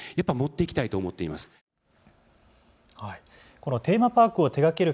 このテーマパークを手がける